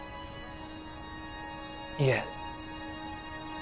いえ。